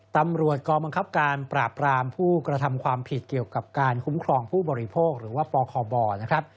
ตำรวจกองบังคับการปราบรามผู้กระทำความผิดเกี่ยวกับการคุ้มครองผู้บริโภคหรือว่าปคบนะครับ